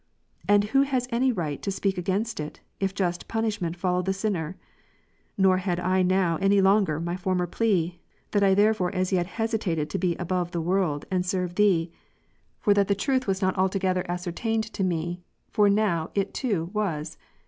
And who has any right to speak against it, if just punishment^ follow the sinner ? Nor had I now any longer my former plea, that I therefore as yet hesitated to be above the world and serve Thee, for that the truth was not altogether ascertained to me; for now it too was.